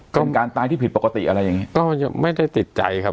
ก็มีการตายที่ผิดปกติอะไรอย่างนี้ก็ไม่ได้ติดใจครับ